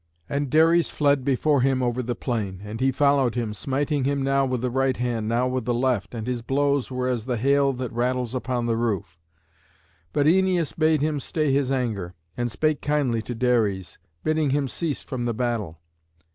And Dares fled before him over the plain, and he followed him, smiting him now with the right hand, now with the left, and his blows were as the hail that rattles upon the roof. But Æneas bade him stay his anger, and spake kindly to Dares, bidding him cease from the battle.